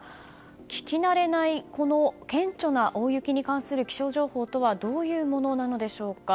聞きなれない顕著な大雪に関する気象情報とはどういうものなのでしょうか。